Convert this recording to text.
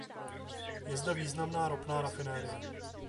Je zde významná ropná rafinerie.